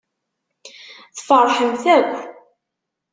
Tfeṛḥemt akk.